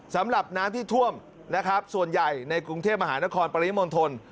สำหรับน้ำที่ท่วมนะครับส่วนใหญ่ในกรุงเทพมหานครปริมณฑล